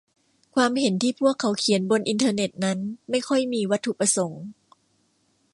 ความเห็นที่พวกเขาเขียนบนอินเทอร์เน็ตนั้นไม่ค่อยมีวัตถุประสงค์